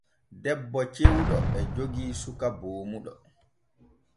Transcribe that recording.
Debbo cewɗo e jogii suka boomuɗo.